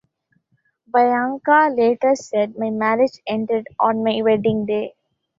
Bianca later said My marriage ended on my wedding day.